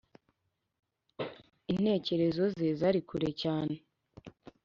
Intekerezo ze zari kure cyane